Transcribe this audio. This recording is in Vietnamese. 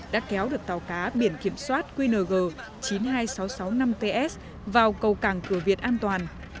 đã kéo được tàu cá biển kiểm soát qng chín mươi hai nghìn sáu trăm sáu mươi năm ts vào cầu cảng cửa việt an toàn